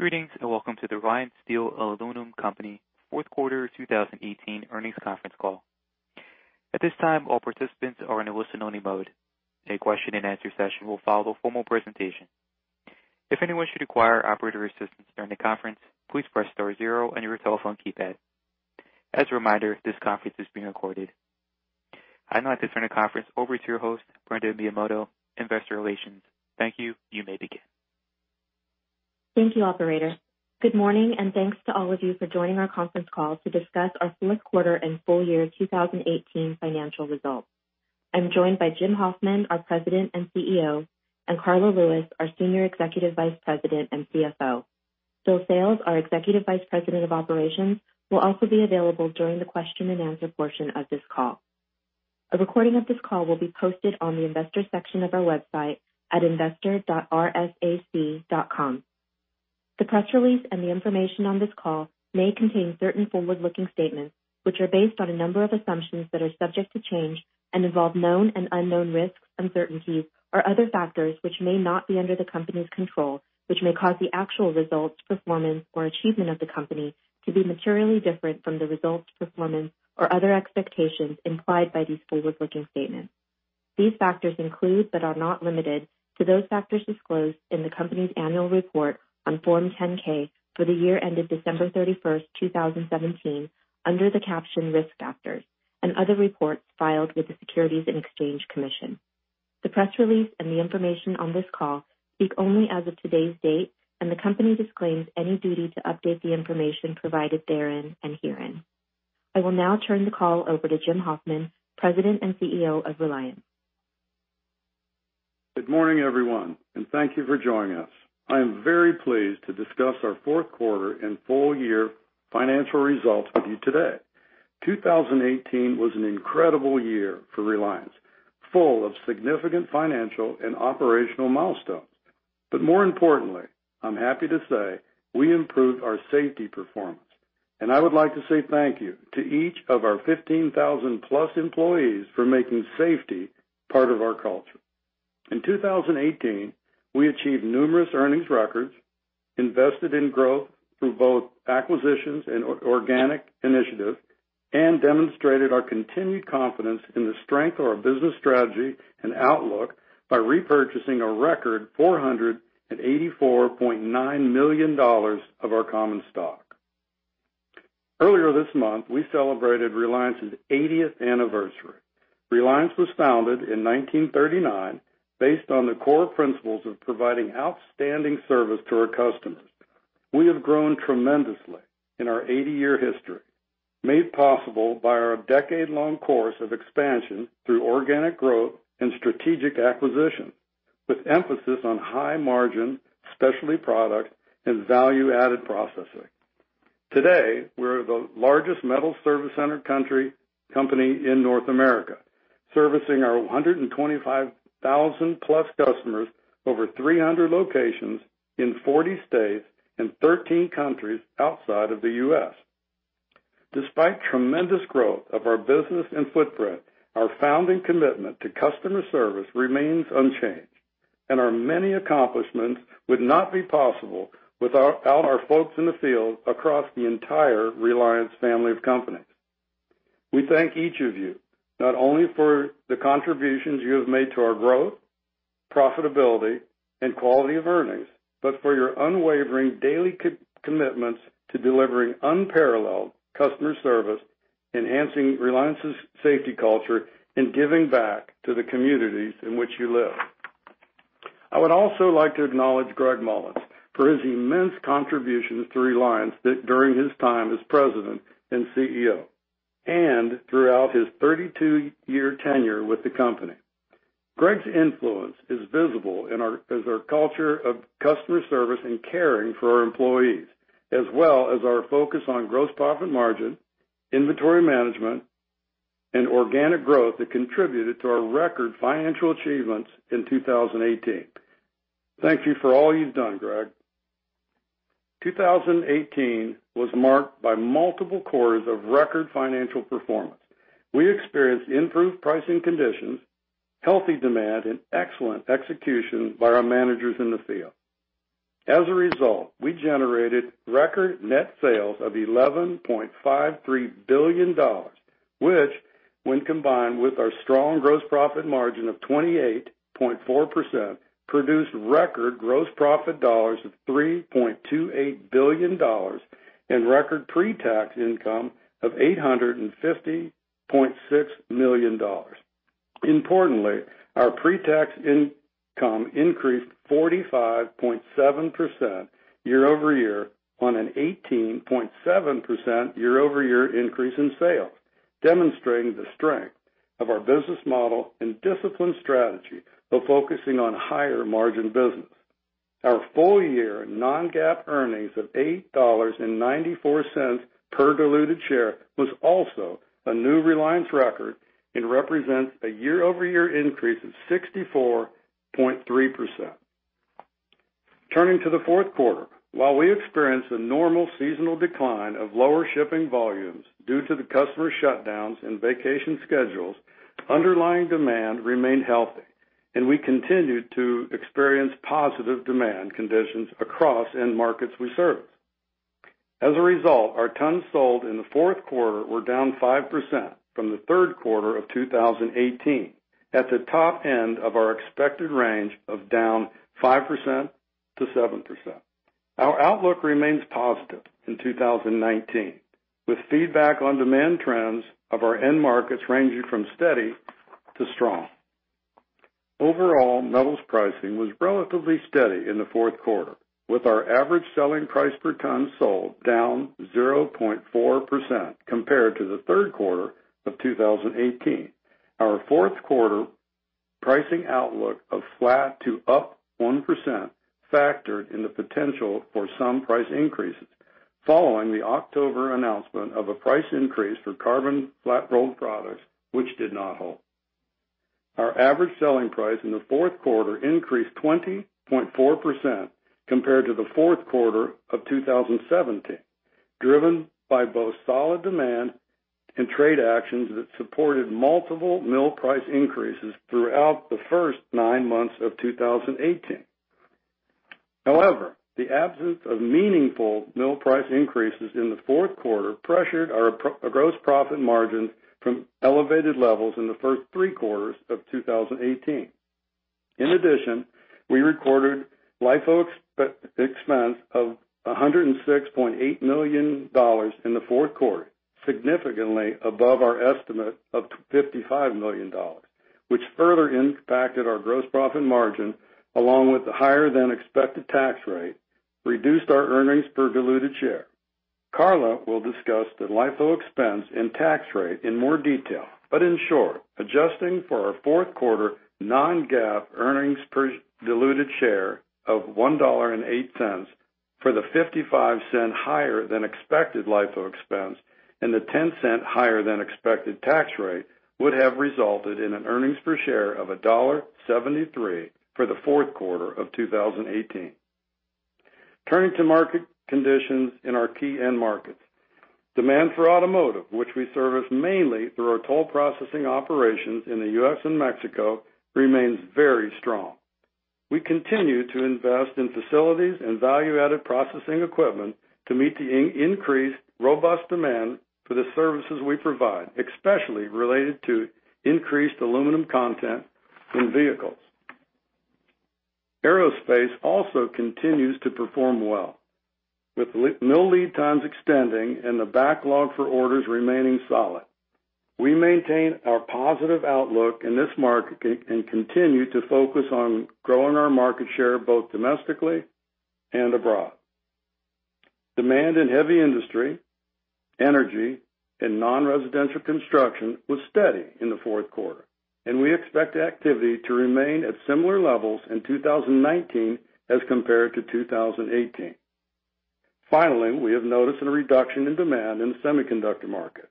Greetings, welcome to the Reliance Steel & Aluminum Co. fourth quarter 2018 earnings conference call. At this time, all participants are in a listen-only mode. A question-and-answer session will follow the formal presentation. If anyone should require operator assistance during the conference, please press star zero on your telephone keypad. As a reminder, this conference is being recorded. I'd now like to turn the conference over to your host, Brenda Miyamoto, Investor Relations. Thank you. You may begin. Thank you, operator. Good morning, thanks to all of you for joining our conference call to discuss our fourth quarter and full year 2018 financial results. I'm joined by Jim Hoffman, our President and CEO, and Karla Lewis, our Senior Executive Vice President and CFO. Bill Sales, our Executive Vice President of Operations, will also be available during the question-and-answer portion of this call. A recording of this call will be posted on the investors section of our website at investor.rsac.com. The press release the information on this call may contain certain forward-looking statements, which are based on a number of assumptions that are subject to change and involve known and unknown risks, uncertainties or other factors which may not be under the company's control, which may cause the actual results, performance or achievement of the company to be materially different from the results, performance or other expectations implied by these forward-looking statements. These factors include, but are not limited to those factors disclosed in the company's annual report on Form 10-K for the year ended December 31st, 2017 under the caption Risk Factors and other reports filed with the Securities and Exchange Commission. The press release the information on this call speak only as of today's date, the company disclaims any duty to update the information provided therein and herein. I will now turn the call over to Jim Hoffman, President and CEO of Reliance. Good morning, everyone, and thank you for joining us. I am very pleased to discuss our fourth quarter and full year financial results with you today. 2018 was an incredible year for Reliance, full of significant financial and operational milestones. More importantly, I'm happy to say we improved our safety performance, and I would like to say thank you to each of our 15,000-plus employees for making safety part of our culture. In 2018, we achieved numerous earnings records, invested in growth through both acquisitions and organic initiatives, and demonstrated our continued confidence in the strength of our business strategy and outlook by repurchasing a record $484.9 million of our common stock. Earlier this month, we celebrated Reliance's 80th anniversary. Reliance was founded in 1939 based on the core principles of providing outstanding service to our customers. We have grown tremendously in our 80-year history, made possible by our decade-long course of expansion through organic growth and strategic acquisitions, with emphasis on high-margin specialty products and value-added processing. Today, we're the largest metal service center company in North America, servicing our 125,000-plus customers over 300 locations in 40 states and 13 countries outside of the U.S. Despite tremendous growth of our business and footprint, our founding commitment to customer service remains unchanged, and our many accomplishments would not be possible without our folks in the field across the entire Reliance family of companies. We thank each of you, not only for the contributions you have made to our growth, profitability, and quality of earnings, but for your unwavering daily commitments to delivering unparalleled customer service, enhancing Reliance's safety culture, and giving back to the communities in which you live. I would also like to acknowledge Gregg Mollins for his immense contributions to Reliance during his time as President and CEO and throughout his 32-year tenure with the company. Gregg's influence is visible as our culture of customer service and caring for our employees, as well as our focus on gross profit margin, inventory management, and organic growth that contributed to our record financial achievements in 2018. Thank you for all you've done, Greg. 2018 was marked by multiple quarters of record financial performance. We experienced improved pricing conditions, healthy demand, and excellent execution by our managers in the field. As a result, we generated record net sales of $11.53 billion, which, when combined with our strong gross profit margin of 28.4%, produced record gross profit dollars of $3.28 billion and record pre-tax income of $850.6 million. Importantly, our pre-tax income increased 45.7% year-over-year on an 18.7% year-over-year increase in sales, demonstrating the strength of our business model and disciplined strategy of focusing on higher-margin business. Our full-year non-GAAP earnings of $8.94 per diluted share was also a new Reliance record and represents a year-over-year increase of 64.3%. Turning to the fourth quarter, while we experienced a normal seasonal decline of lower shipping volumes due to the customer shutdowns and vacation schedules, underlying demand remained healthy, and we continued to experience positive demand conditions across end markets we serve. As a result, our tons sold in the fourth quarter were down 5% from the third quarter of 2018, at the top end of our expected range of down 5%-7%. Our outlook remains positive in 2019, with feedback on demand trends of our end markets ranging from steady to strong. Overall, metals pricing was relatively steady in the fourth quarter, with our average selling price per ton sold down 0.4% compared to the third quarter of 2018. Our fourth quarter pricing outlook of flat to up 1% factored in the potential for some price increases following the October announcement of a price increase for carbon flat-rolled products, which did not hold. Our average selling price in the fourth quarter increased 20.4% compared to the fourth quarter of 2017, driven by both solid demand and trade actions that supported multiple mill price increases throughout the first nine months of 2018. However, the absence of meaningful mill price increases in the fourth quarter pressured our gross profit margin from elevated levels in the first three quarters of 2018. We recorded LIFO expense of $106.8 million in the fourth quarter, significantly above our estimate of $55 million, which further impacted our gross profit margin. Along with the higher-than-expected tax rate, reduced our earnings per diluted share. Karla will discuss the LIFO expense and tax rate in more detail. Adjusting for our fourth quarter non-GAAP earnings per diluted share of $1.08 for the $0.55 higher than expected LIFO expense and the $0.10 higher than expected tax rate would have resulted in an earnings per share of $1.73 for the fourth quarter of 2018. Turning to market conditions in our key end markets. Demand for automotive, which we service mainly through our toll processing operations in the U.S. and Mexico, remains very strong. We continue to invest in facilities and value-added processing equipment to meet the increased robust demand for the services we provide, especially related to increased aluminum content in vehicles. Aerospace also continues to perform well, with mill lead times extending and the backlog for orders remaining solid. We maintain our positive outlook in this market and continue to focus on growing our market share both domestically and abroad. Demand in heavy industry, energy, and non-residential construction was steady in the fourth quarter, and we expect activity to remain at similar levels in 2019 as compared to 2018. We have noticed a reduction in demand in the semiconductor market.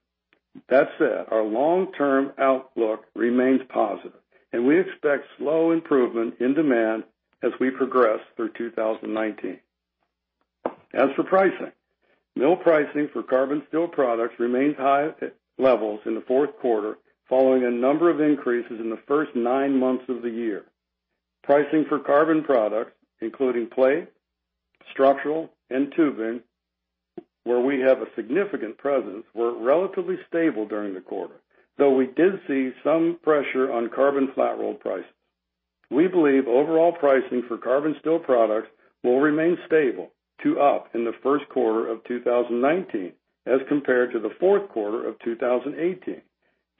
Our long-term outlook remains positive, and we expect slow improvement in demand as we progress through 2019. Mill pricing for carbon steel products remains high levels in the fourth quarter, following a number of increases in the first nine months of the year. Pricing for carbon products, including plate, structural, and tubing, where we have a significant presence, were relatively stable during the quarter, though we did see some pressure on carbon flat roll prices. We believe overall pricing for carbon steel products will remain stable to up in the first quarter of 2019 as compared to the fourth quarter of 2018,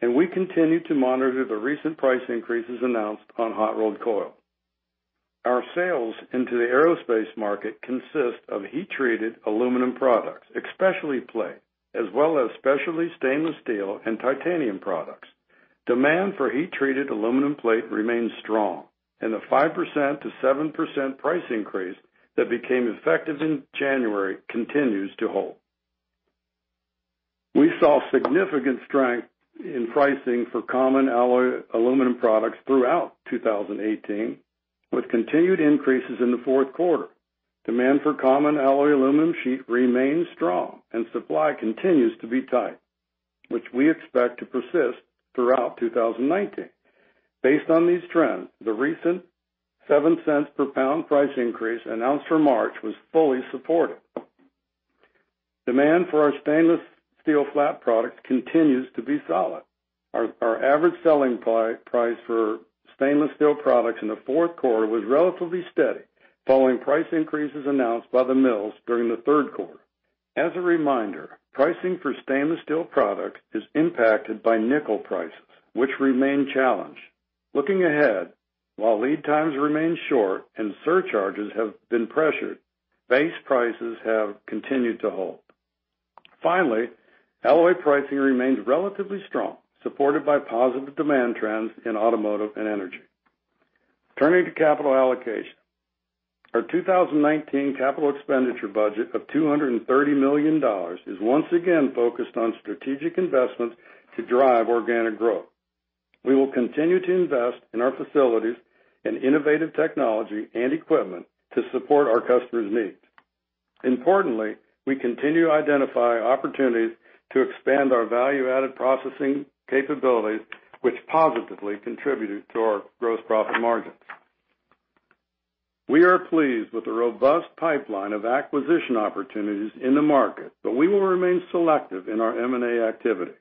and we continue to monitor the recent price increases announced on hot-rolled coil. Our sales into the aerospace market consist of heat-treated aluminum products, especially plate, as well as specialty stainless steel and titanium products. Demand for heat-treated aluminum plate remains strong, and the 5%-7% price increase that became effective in January continues to hold. We saw significant strength in pricing for common alloy aluminum products throughout 2018, with continued increases in the fourth quarter. Demand for common alloy aluminum sheet remains strong and supply continues to be tight, which we expect to persist throughout 2019. Based on these trends, the recent $0.07 per pound price increase announced for March was fully supported. Demand for our stainless steel flat products continues to be solid. Our average selling price for stainless steel products in the fourth quarter was relatively steady, following price increases announced by the mills during the third quarter. As a reminder, pricing for stainless steel products is impacted by nickel prices, which remain challenged. Looking ahead, while lead times remain short and surcharges have been pressured, base prices have continued to hold. Alloy pricing remains relatively strong, supported by positive demand trends in automotive and energy. Turning to capital allocation. Our 2019 capital expenditure budget of $230 million is once again focused on strategic investments to drive organic growth. We will continue to invest in our facilities and innovative technology and equipment to support our customers' needs. Importantly, we continue to identify opportunities to expand our value-added processing capabilities, which positively contributed to our gross profit margins. We are pleased with the robust pipeline of acquisition opportunities in the market. We will remain selective in our M&A activity.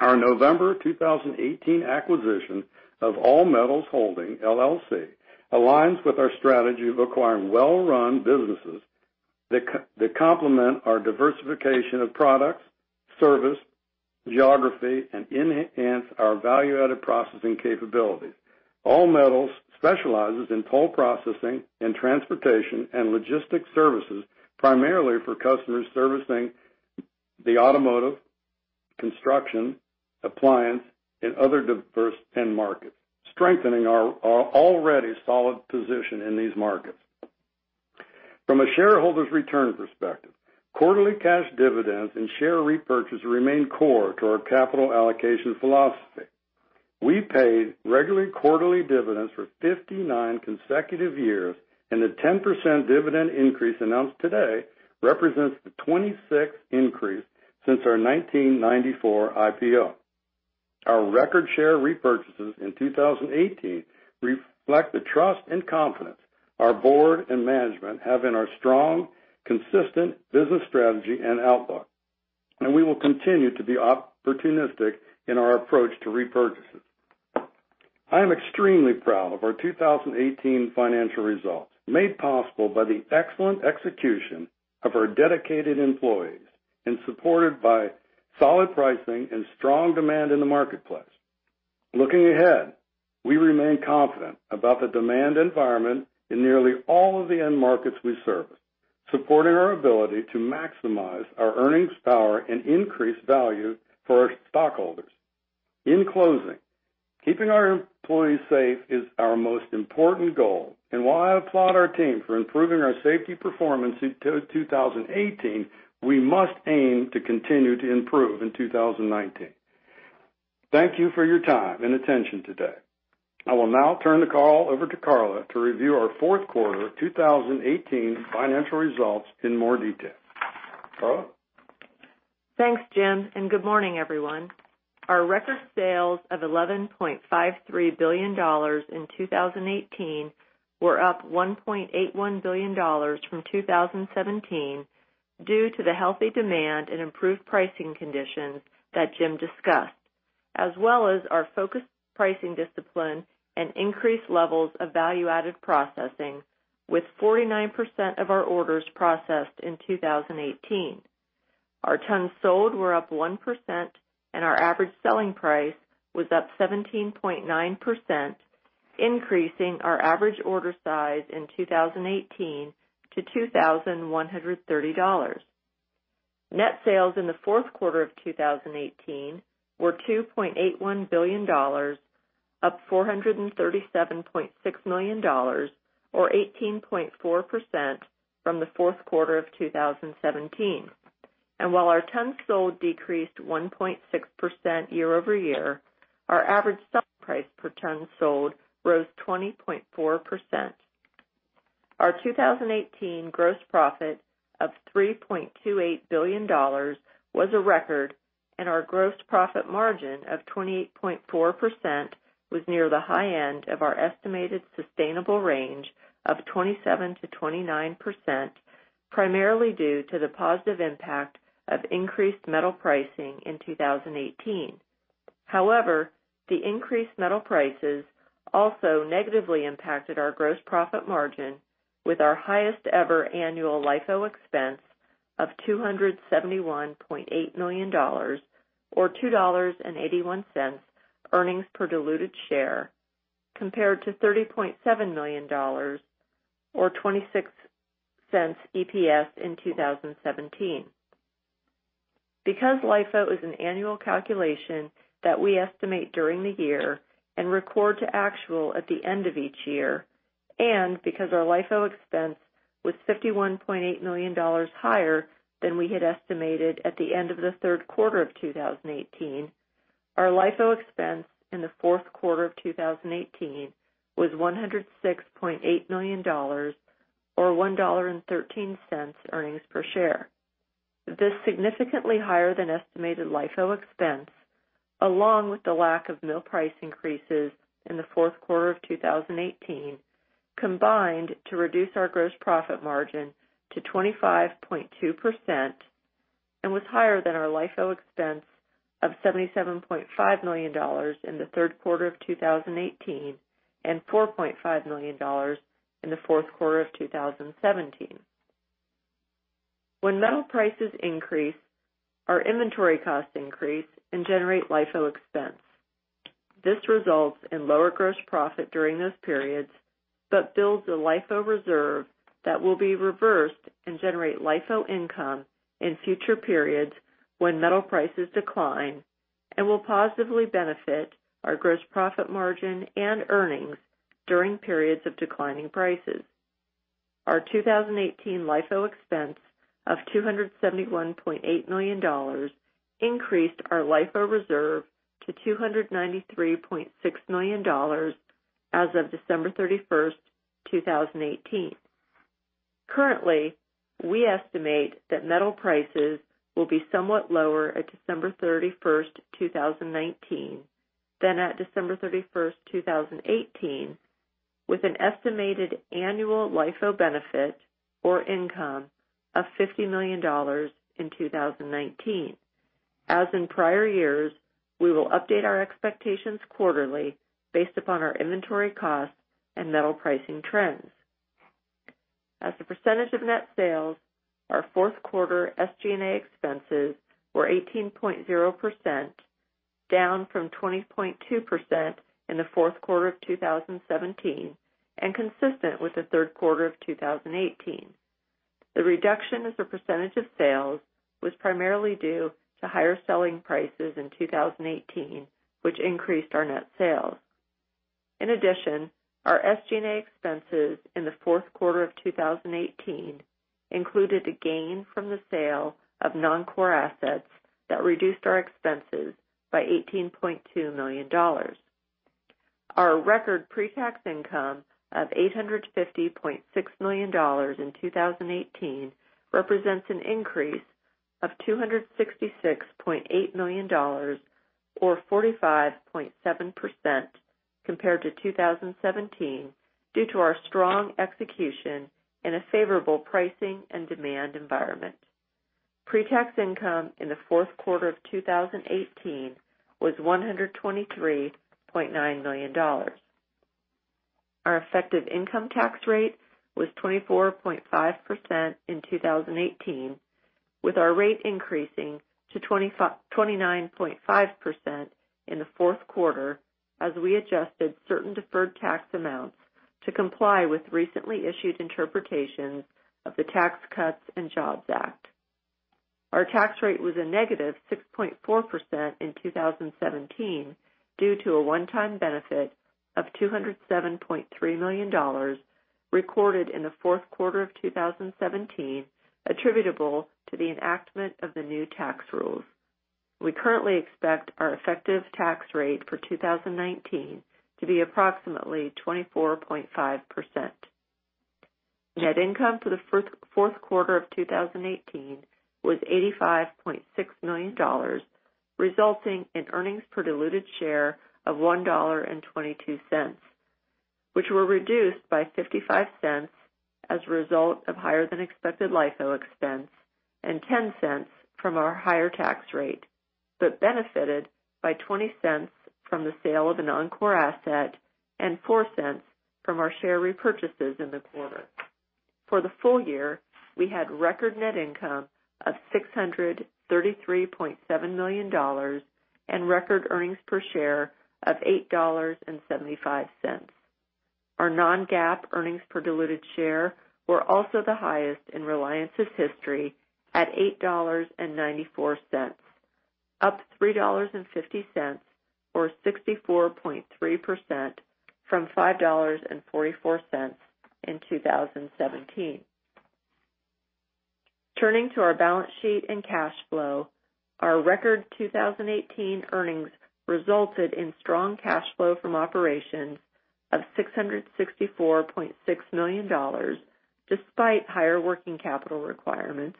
Our November 2018 acquisition of All Metals Holding, LLC aligns with our strategy of acquiring well-run businesses that complement our diversification of products, service, geography, and enhance our value-added processing capabilities. All Metals specializes in toll processing and transportation and logistics services primarily for customers servicing the automotive, construction, appliance, and other diverse end markets, strengthening our already solid position in these markets. From a shareholders' return perspective, quarterly cash dividends and share repurchase remain core to our capital allocation philosophy. We paid regular quarterly dividends for 59 consecutive years. The 10% dividend increase announced today represents the 26th increase since our 1994 IPO. Our record share repurchases in 2018 reflect the trust and confidence our board and management have in our strong, consistent business strategy and outlook. We will continue to be opportunistic in our approach to repurchases. I am extremely proud of our 2018 financial results, made possible by the excellent execution of our dedicated employees and supported by solid pricing and strong demand in the marketplace. Looking ahead, we remain confident about the demand environment in nearly all of the end markets we service, supporting our ability to maximize our earnings power and increase value for our stockholders. In closing, keeping our employees safe is our most important goal. While I applaud our team for improving our safety performance in 2018, we must aim to continue to improve in 2019. Thank you for your time and attention today. I will now turn the call over to Karla to review our fourth quarter 2018 financial results in more detail. Karla? Thanks, Jim, and good morning, everyone. Our record sales of $11.53 billion in 2018 were up $1.81 billion from 2017 due to the healthy demand and improved pricing conditions that Jim discussed, as well as our focused pricing discipline and increased levels of value-added processing with 49% of our orders processed in 2018. Our tons sold were up 1%, and our average selling price was up 17.9%, increasing our average order size in 2018 to $2,130. Net sales in the fourth quarter of 2018 were $2.81 billion, up $437.6 million or 18.4% from the fourth quarter of 2017. While our tons sold decreased 1.6% year-over-year, our average sale price per ton sold rose 20.4%. Our 2018 gross profit of $3.28 billion was a record, and our gross profit margin of 28.4% was near the high end of our estimated sustainable range of 27%-29%, primarily due to the positive impact of increased metal pricing in 2018. However, the increased metal prices also negatively impacted our gross profit margin with our highest-ever annual LIFO expense of $271.8 million or $2.81 earnings per diluted share, compared to $30.7 million or $0.26 EPS in 2017. Because LIFO is an annual calculation that we estimate during the year and record to actual at the end of each year, and because our LIFO expense was $51.8 million higher than we had estimated at the end of the third quarter of 2018, our LIFO expense in the fourth quarter of 2018 was $106.8 million or $1.13 earnings per share. This significantly higher than estimated LIFO expense, along with the lack of mill price increases in the fourth quarter of 2018, combined to reduce our gross profit margin to 25.2% and was higher than our LIFO expense of $77.5 million in the third quarter of 2018 and $4.5 million in the fourth quarter of 2017. When metal prices increase, our inventory costs increase and generate LIFO expense. This results in lower gross profit during those periods, but builds a LIFO reserve that will be reversed and generate LIFO income in future periods when metal prices decline and will positively benefit our gross profit margin and earnings during periods of declining prices. Our 2018 LIFO expense of $271.8 million increased our LIFO reserve to $293.6 million as of December 31st, 2018. Currently we estimate that metal prices will be somewhat lower at December 31st, 2019, than at December 31st, 2018, with an estimated annual LIFO benefit or income of $50 million in 2019. As in prior years, we will update our expectations quarterly based upon our inventory costs and metal pricing trends. As a percentage of net sales, our fourth quarter SG&A expenses were 18.0%, down from 20.2% in the fourth quarter of 2017, and consistent with the third quarter of 2018. The reduction as a percentage of sales was primarily due to higher selling prices in 2018, which increased our net sales. In addition, our SG&A expenses in the fourth quarter of 2018 included a gain from the sale of non-core assets that reduced our expenses by $18.2 million. Our record pre-tax income of $850.6 million in 2018 represents an increase of $266.8 million or 45.7% compared to 2017 due to our strong execution in a favorable pricing and demand environment. Pre-tax income in the fourth quarter of 2018 was $123.9 million. Our effective income tax rate was 24.5% in 2018, with our rate increasing to 29.5% in the fourth quarter, as we adjusted certain deferred tax amounts to comply with recently issued interpretations of the Tax Cuts and Jobs Act. Our tax rate was a -6.4% in 2017 due to a one-time benefit of $207.3 million recorded in the fourth quarter of 2017 attributable to the enactment of the new tax rules. We currently expect our effective tax rate for 2019 to be approximately 24.5%. Net income for the fourth quarter of 2018 was $85.6 million, resulting in earnings per diluted share of $1.22, which were reduced by $0.55 as a result of higher than expected LIFO expense and $0.10 from our higher tax rate, but benefited by $0.20 from the sale of a non-core asset and $0.04 from our share repurchases in the quarter. For the full year, we had record net income of $633.7 million and record earnings per share of $8.75. Our non-GAAP earnings per diluted share were also the highest in Reliance's history at $8.94, up $3.50 or 64.3% from $5.44 in 2017. Turning to our balance sheet and cash flow, our record 2018 earnings resulted in strong cash flow from operations of $664.6 million despite higher working capital requirements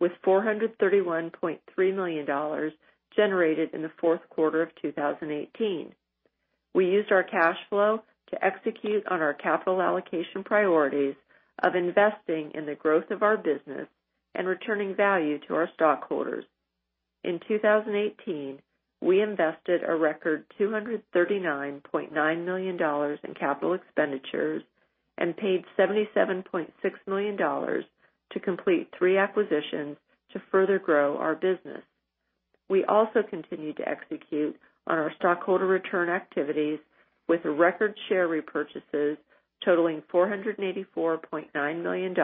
with $431.3 million generated in the fourth quarter of 2018. We used our cash flow to execute on our capital allocation priorities of investing in the growth of our business and returning value to our stockholders. In 2018, we invested a record $239.9 million in capital expenditures and paid $77.6 million to complete three acquisitions to further grow our business. We also continued to execute on our stockholder return activities with a record share repurchases totaling $484.9 million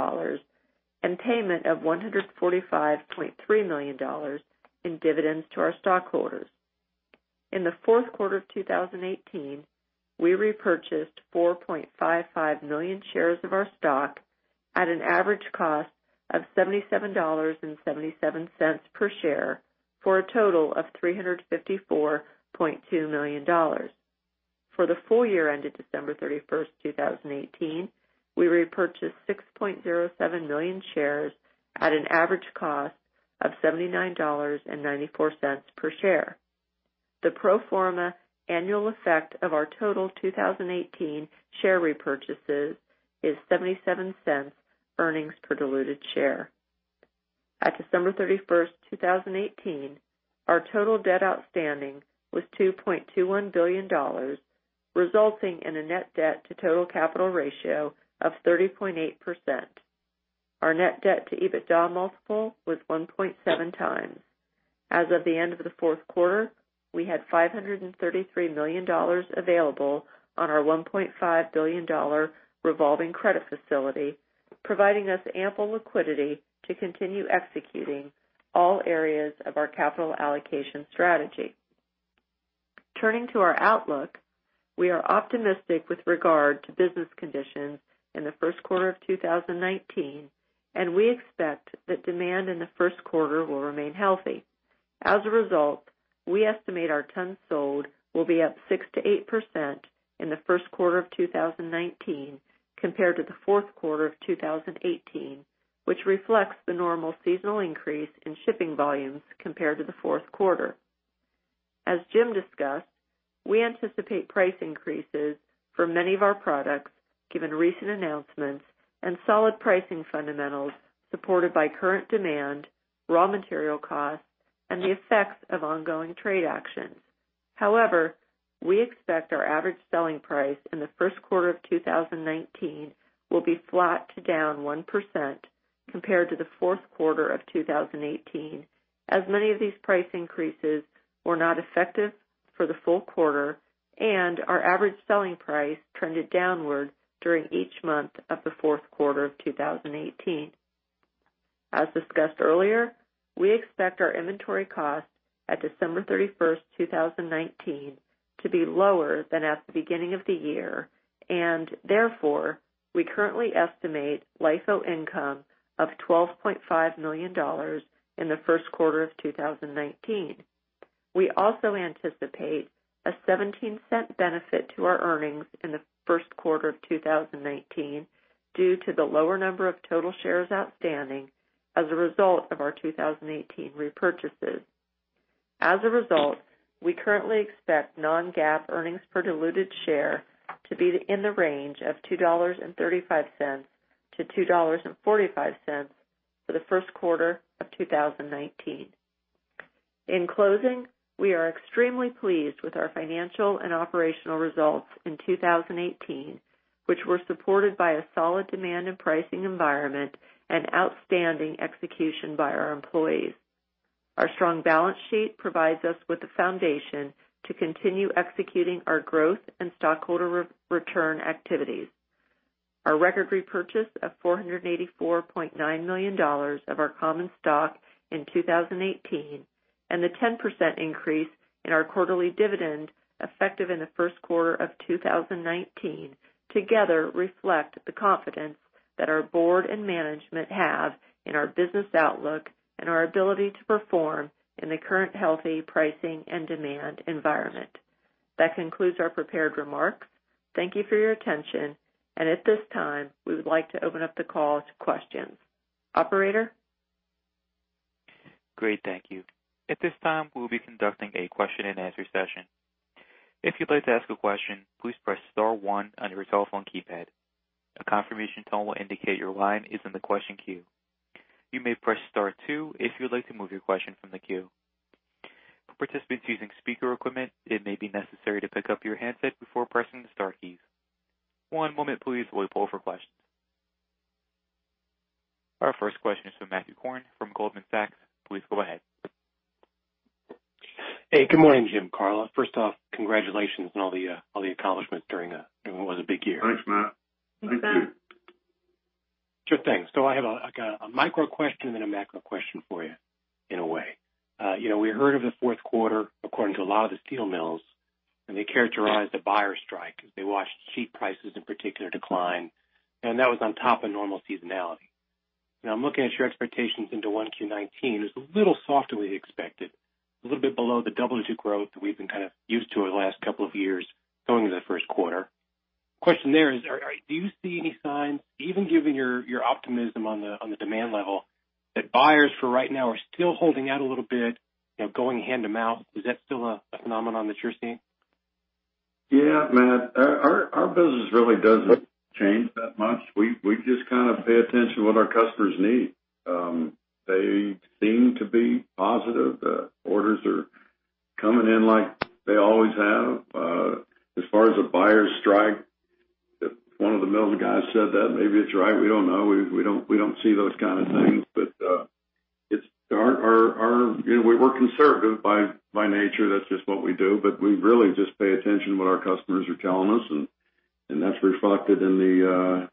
and payment of $145.3 million in dividends to our stockholders. In the fourth quarter of 2018, we repurchased 4.55 million shares of our stock at an average cost of $77.77 per share for a total of $354.2 million. For the full year ended December 31st, 2018, we repurchased 6.07 million shares at an average cost of $79.94 per share. The pro forma annual effect of our total 2018 share repurchases is $0.77 earnings per diluted share. At December 31st, 2018, our total debt outstanding was $2.21 billion, resulting in a net debt to total capital ratio of 30.8%. Our net debt to EBITDA multiple was 1.7x. As of the end of the fourth quarter, we had $533 million available on our $1.5 billion revolving credit facility, providing us ample liquidity to continue executing all areas of our capital allocation strategy. Turning to our outlook, we are optimistic with regard to business conditions in the first quarter of 2019. We expect that demand in the first quarter will remain healthy. As a result, we estimate our tons sold will be up 6%-8% in the first quarter of 2019 compared to the fourth quarter of 2018, which reflects the normal seasonal increase in shipping volumes compared to the fourth quarter. As Jim discussed, we anticipate price increases for many of our products, given recent announcements and solid pricing fundamentals supported by current demand, raw material costs, and the effects of ongoing trade actions. However, we expect our average selling price in the first quarter of 2019 will be flat to down 1% compared to the fourth quarter of 2018, as many of these price increases were not effective for the full quarter, and our average selling price trended downward during each month of the fourth quarter of 2018. As discussed earlier, we expect our inventory costs at December 31, 2019, to be lower than at the beginning of the year, and therefore, we currently estimate LIFO income of $12.5 million in the first quarter of 2019. We also anticipate a $0.17 benefit to our earnings in the first quarter of 2019 due to the lower number of total shares outstanding as a result of our 2018 repurchases. As a result, we currently expect non-GAAP earnings per diluted share to be in the range of $2.35-$2.45 for the first quarter of 2019. In closing, we are extremely pleased with our financial and operational results in 2018, which were supported by a solid demand in pricing environment and outstanding execution by our employees. Our strong balance sheet provides us with the foundation to continue executing our growth and stockholder return activities. Our record repurchase of $484.9 million of our common stock in 2018 and the 10% increase in our quarterly dividend effective in the first quarter of 2019, together reflect the confidence that our board and management have in our business outlook and our ability to perform in the current healthy pricing and demand environment. That concludes our prepared remarks. Thank you for your attention, and at this time, we would like to open up the call to questions. Operator? Great. Thank you. At this time, we'll be conducting a question-and-answer session. If you'd like to ask a question, please press star one on your telephone keypad. A confirmation tone will indicate your line is in the question queue. You may press star two if you'd like to move your question from the queue. For participants using speaker equipment, it may be necessary to pick up your handset before pressing the star keys. One moment please while we pull for questions. Our first question is from Matthew Korn from Goldman Sachs. Please go ahead. Hey, good morning, Jim, Karla. First off, congratulations on all the accomplishments during what was a big year. Thanks, Matt. Thanks, Matt. I have a micro question, then a macro question for you in a way. We heard of the fourth quarter, according to a lot of the steel mills, and they characterized a buyer strike as they watched sheet prices in particular decline, and that was on top of normal seasonality. Now I'm looking at your expectations into 1Q 2019. It's a little softer than we expected, a little bit below the double-digit growth that we've been kind of used to over the last couple of years going into the first quarter. Question there is, do you see any signs, even given your optimism on the demand level, that buyers for right now are still holding out a little bit, going hand to mouth? Is that still a phenomenon that you're seeing? Yeah, Matt. Our business really doesn't change that much. We just kind of pay attention to what our customers need. They seem to be positive. The orders are coming in like they always have. As far as a buyer strike, if one of the mills guys said that, maybe it's right, we don't know. We don't see those kind of things. We're conservative by nature. That's just what we do, but we really just pay attention to what our customers are telling us, and that's reflected in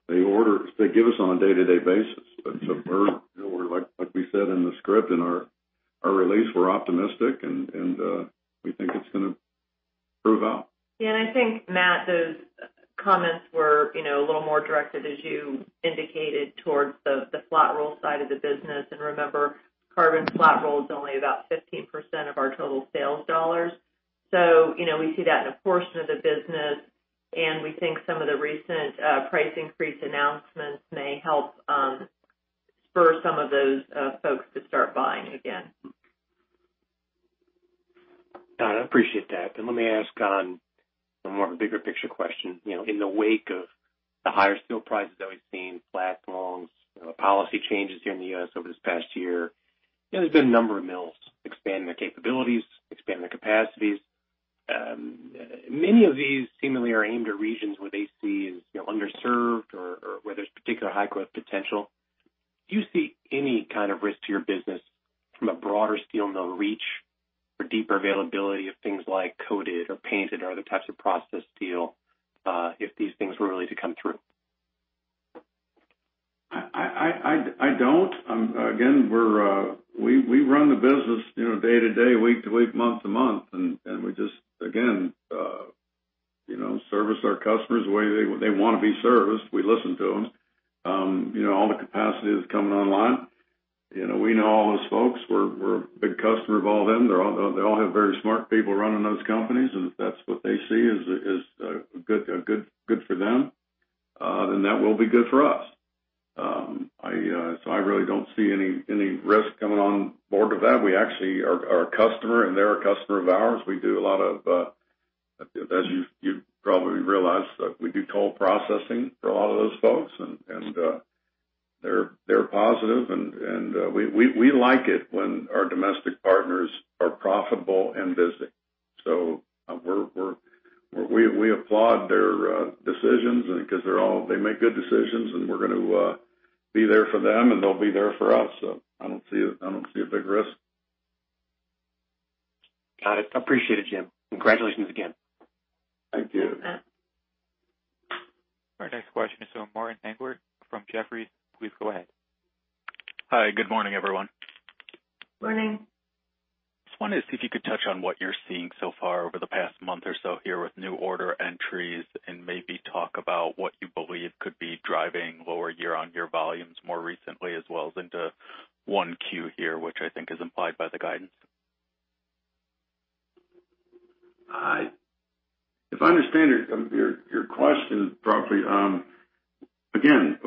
the orders they give us on a day-to-day basis. Like we said in the script, in our release, we're optimistic, and we think it's going to prove out. I think, Matt, those comments were a little more directed, as you indicated, towards the flat roll side of the business. Remember, carbon flat roll is only about 15% of our total sales dollars. We see that in a portion of the business, and we think some of the recent price increase announcements may help spur some of those folks to start buying again. Got it. I appreciate that. Let me ask on a more of a bigger picture question. In the wake of the higher steel prices that we've seen, flat rolls, policy changes here in the U.S. over this past year, there's been a number of mills expanding their capabilities, expanding their capacities. Many of these seemingly are aimed at regions where they see as underserved or where there's particular high growth potential. Do you see any kind of risk to your business from a broader steel mill reach for deeper availability of things like coated or painted or other types of processed steel if these things were really to come through? I don't. Again, we run the business day to day, week to week, month to month, and we just, again, service our customers the way they want to be serviced. We listen to them. All the capacity that's coming online. We know all those folks. We're a big customer of all of them. They all have very smart people running those companies, and if that's what they see is good for them, then that will be good for us. I really don't see any risk coming on board of that. We actually are a customer, and they're a customer of ours. We do a lot of, as you probably realize, we do toll processing for a lot of those folks, and they're positive and we like it when our domestic partners are profitable and busy. We applaud their decisions because they make good decisions, and we're going to be there for them, and they'll be there for us. I don't see a big risk. Got it. Appreciate it, Jim. Congratulations again. Thank you. Our next question is from Martin Englert from Jefferies. Please go ahead. Hi. Good morning, everyone. Morning. Just wanted to see if you could touch on what you're seeing so far over the past month or so here with new order entries and maybe talk about what you believe could be driving lower year-over-year volumes more recently, as well as into 1Q here, which I think is implied by the guidance. If I understand your question properly, again,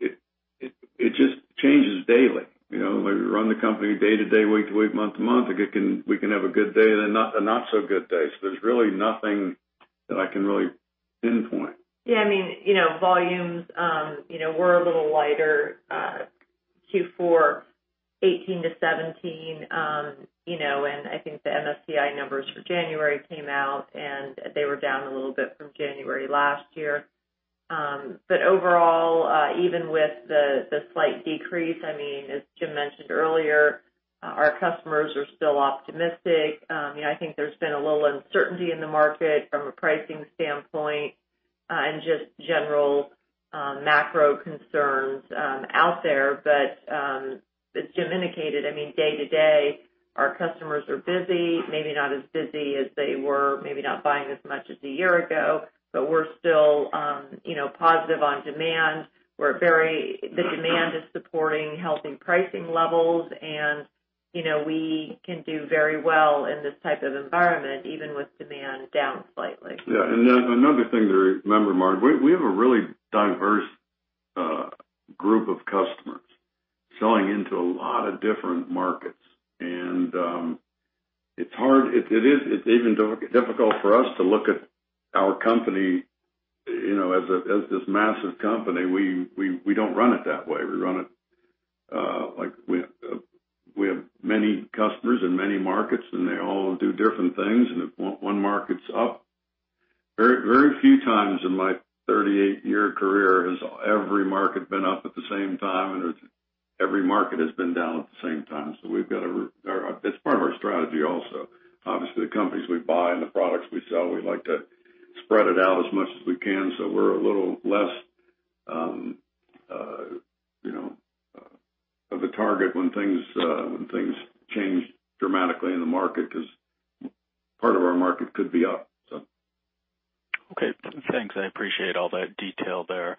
it just changes daily. We run the company day to day, week to week, month to month. We can have a good day, and then a not so good day. There's really nothing that I can really pinpoint. Yeah, volumes were a little lighter Q4 2018 to 2017. I think the MSCI numbers for January came out, and they were down a little bit from January last year. Overall, even with the slight decrease, as Jim mentioned earlier, our customers are still optimistic. I think there's been a little uncertainty in the market from a pricing standpoint, and just general macro concerns out there. As Jim indicated, day to day, our customers are busy, maybe not as busy as they were, maybe not buying as much as a year ago, but we're still positive on demand. The demand is supporting healthy pricing levels, and we can do very well in this type of environment, even with demand down slightly. Yeah. Another thing to remember, Martin, we have a really diverse group of customers selling into a lot of different markets. It's even difficult for us to look at our company, as this massive company. We don't run it that way. We run it like we have many customers in many markets, and they all do different things, and if one market's up Very few times in my 38-year career has every market been up at the same time, and every market has been down at the same time. It's part of our strategy also. Obviously, the companies we buy and the products we sell, we like to spread it out as much as we can, so we're a little less of a target when things change dramatically in the market, because part of our market could be up. Okay. Thanks. I appreciate all that detail there.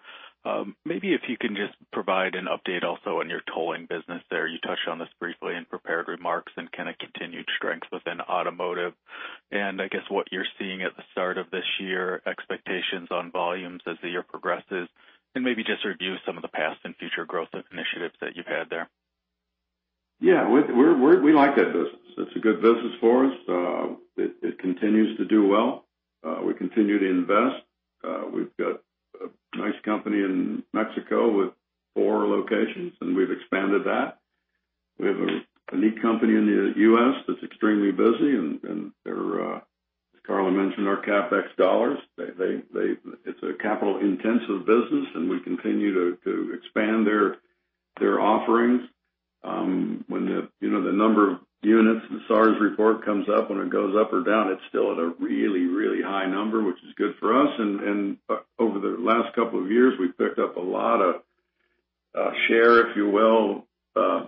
Maybe if you can just provide an update also on your tolling business there. You touched on this briefly in prepared remarks and kind of continued strength within automotive. I guess what you're seeing at the start of this year, expectations on volumes as the year progresses, and maybe just review some of the past and future growth initiatives that you've had there. Yeah. We like that business. It's a good business for us. It continues to do well. We continue to invest. We've got a nice company in Mexico with four locations, and we've expanded that. We have a neat company in the U.S. that's extremely busy, and as Karla mentioned, our CapEx dollars. It's a capital-intensive business, and we continue to expand their offerings. When the number of units, the SAAR report comes up, when it goes up or down, it's still at a really high number, which is good for us. Over the last couple of years, we've picked up a lot of share, if you will,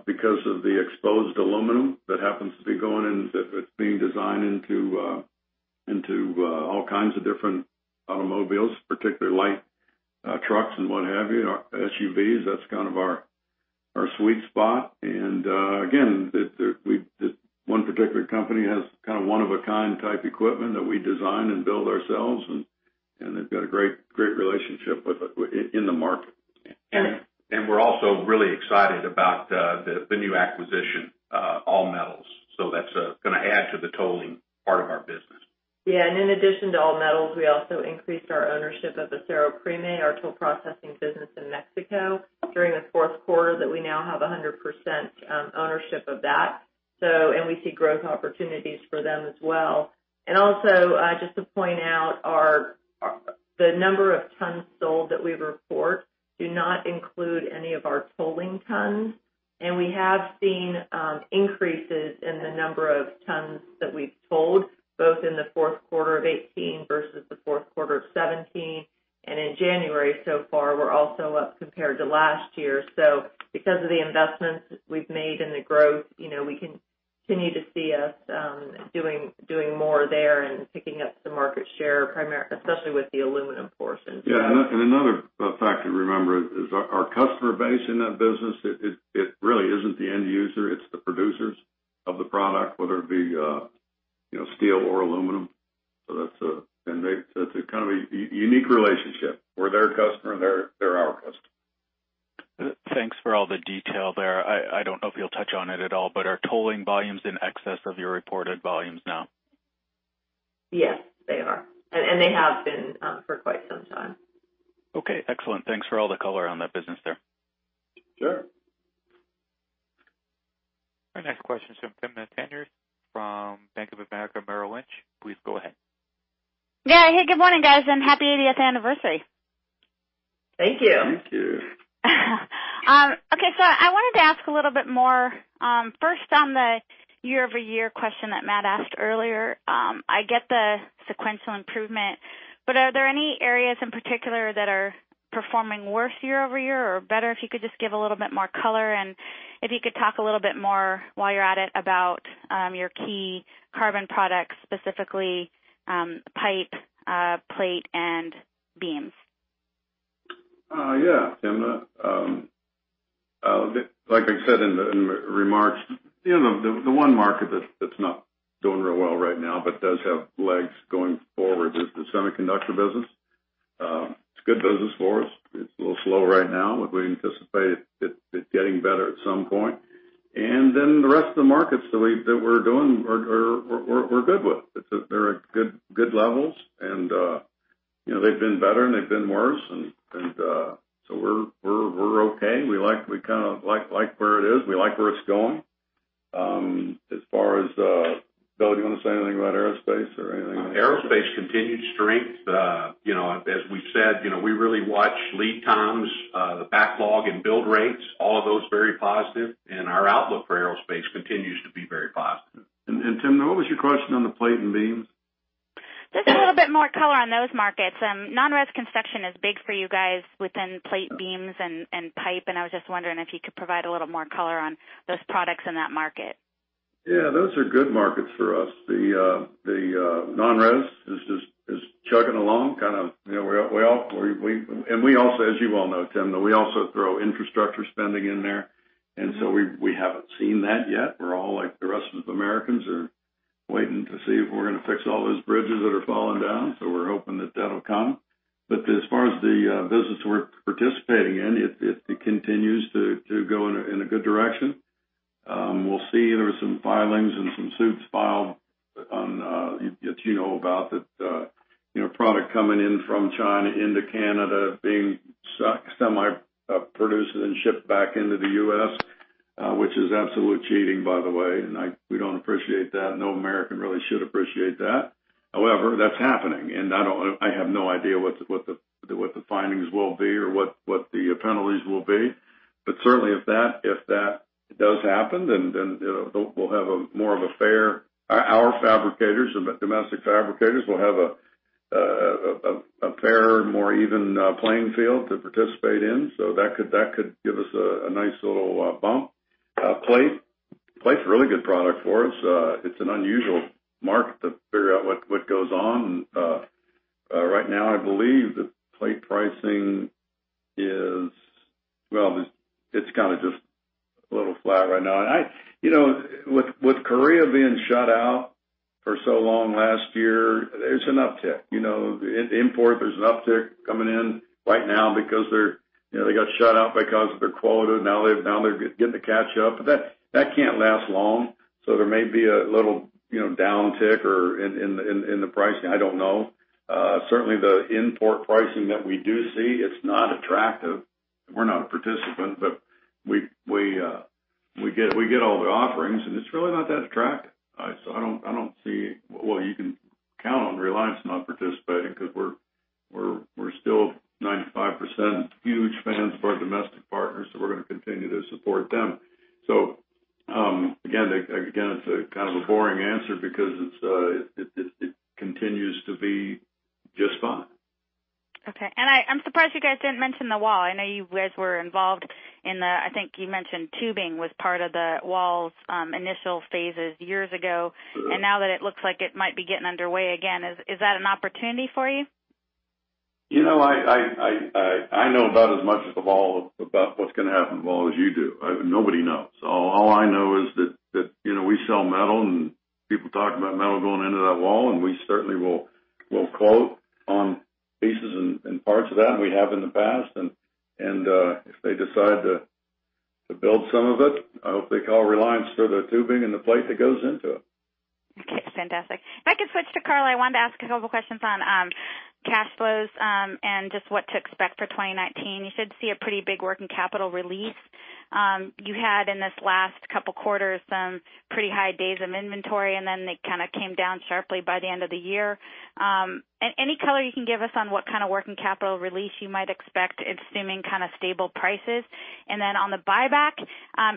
because of the exposed aluminum that happens to be going in, that's being designed into all kinds of different automobiles, particularly light trucks and what have you, SUVs. That's kind of our sweet spot. Again, one particular company has kind of one of a kind type equipment that we design and build ourselves, and they've got a great relationship with us in the market. We're also really excited about the new acquisition, All Metals. That's going to add to the tolling part of our business. Yeah. In addition to All Metals, we also increased our ownership of Acero Prime, our toll processing business in Mexico during the fourth quarter, that we now have 100% ownership of that. We see growth opportunities for them as well. Also, just to point out, the number of tons sold that we report do not include any of our tolling tons. We have seen increases in the number of tons that we've tolled, both in the fourth quarter of 2018 versus the fourth quarter of 2017. In January so far, we're also up compared to last year. Because of the investments we've made and the growth, we can continue to see us doing more there and picking up some market share, especially with the aluminum portion. Yeah. Another factor to remember is our customer base in that business, it really isn't the end user, it's the producers of the product, whether it be steel or aluminum. That's a kind of a unique relationship. We're their customer, and they're our customer. Thanks for all the detail there. I don't know if you'll touch on it at all, but are tolling volumes in excess of your reported volumes now? Yes, they are. They have been for quite some time. Okay, excellent. Thanks for all the color on that business there. Sure. Our next question is from Timna Tanners from Bank of America Merrill Lynch. Please go ahead. Yeah. Hey, good morning, guys, and happy 80th anniversary. Thank you. Thank you. I wanted to ask a little bit more. First, on the year-over-year question that Matt asked earlier. I get the sequential improvement, but are there any areas in particular that are performing worse year-over-year or better? If you could just give a little bit more color, if you could talk a little bit more, while you're at it, about your key carbon products, specifically pipe, plate, and beams. Timna. Like I said in the remarks, the one market that's not doing real well right now but does have legs going forward is the semiconductor business. It's a good business for us. It's a little slow right now, but we anticipate it getting better at some point. The rest of the markets that we're doing, we're good with. They're at good levels, and they've been better, and they've been worse. We're okay. We kind of like where it is. We like where it's going. As far as Bill, do you want to say anything about aerospace or anything? Aerospace continued strength. As we've said, we really watch lead times, the backlog, and build rates. All of those, very positive. Our outlook for aerospace continues to be very positive. Timna, what was your question on the plate and beams? Just a little bit more color on those markets. Non-res construction is big for you guys within plate beams and pipe, and I was just wondering if you could provide a little more color on those products in that market. Yeah, those are good markets for us. The non-res is chugging along. As you well know, Timna, we also throw infrastructure spending in there. We haven't seen that yet. We're all like the rest of Americans are, waiting to see if we're going to fix all those bridges that are falling down. We're hoping that that'll come. As far as the business we're participating in, it continues to go in a good direction. We'll see there are some filings and some suits filed on, as you know about, the product coming in from China into Canada being semi-produced and shipped back into the U.S., which is absolute cheating, by the way. We don't appreciate that. No American really should appreciate that. However, that's happening, and I have no idea what the findings will be or what the penalties will be. Certainly, if that does happen, then our fabricators and the domestic fabricators will have a fairer, more even playing field to participate in. That could give us a nice little bump. Plate is a really good product for us. It's an unusual market to figure out what goes on. Right now, I believe that plate pricing is just a little flat right now. With Korea being shut out for so long last year, there's an uptick. Imports, there's an uptick coming in right now because they got shut out because of their quota. Now they're getting to catch up. That can't last long. There may be a little downtick in the pricing. I don't know. Certainly, the import pricing that we do see, it's not attractive. We're not a participant, but we get all the offerings, and it's really not that attractive. You can count on Reliance not participating because we're still 95% huge fans of our domestic partners, we're going to continue to support them. Again, it's kind of a boring answer because it continues to be just fine. Okay. I'm surprised you guys didn't mention the wall. I know you guys were involved, I think you mentioned tubing was part of the wall's initial phases years ago. Now that it looks like it might be getting underway again, is that an opportunity for you? I know about as much about what's going to happen with the wall as you do. Nobody knows. All I know is that we sell metal, and people talk about metal going into that wall, and we certainly will quote on pieces and parts of that, and we have in the past. If they decide to build some of it, I hope they call Reliance for the tubing and the plate that goes into it. Okay, fantastic. If I could switch to Karla, I wanted to ask a couple questions on cash flows, and just what to expect for 2019. You should see a pretty big working capital release. You had in these last couple of quarters some pretty high days of inventory, and then they kind of came down sharply by the end of the year. Any color you can give us on what kind of working capital release you might expect, assuming kind of stable prices? Then on the buyback,